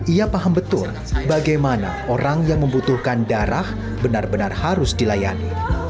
ia paham betul bagaimana orang yang membutuhkan darah benar benar harus dilayani